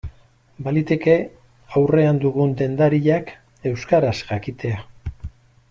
Baliteke aurrean dugun dendariak euskaraz jakitea.